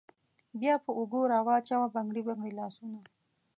بیا په اوږو راوچوه بنګړي بنګړي لاسونه